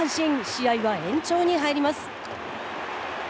試合は延長に入ります。